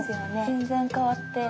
全然変わって。